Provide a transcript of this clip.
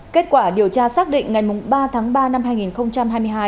kết quả điều tra xác định ngày ba tháng ba năm hai nghìn hai mươi hai